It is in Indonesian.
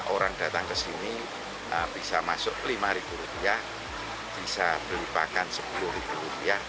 orang datang ke sini bisa masuk lima ribu rupiah bisa beli pakan sepuluh ribu rupiah